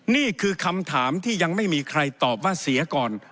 นี่คือคำถามที่ยังไม่มีใครตอบว่าเสียก่อน